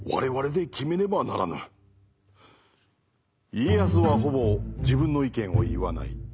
家康はほぼ自分の意見を言わない。